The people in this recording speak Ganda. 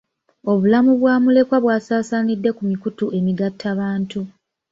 Obulamu bwa mulekwa bwasaasaanidde ku mikutu emigattabantu.